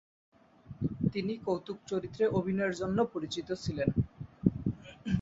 তিনি কৌতুক চরিত্রে অভিনয়ের জন্য পরিচিত ছিলেন।